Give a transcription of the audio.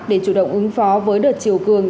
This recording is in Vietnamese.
để chủ động ứng phó với đợt chiều cường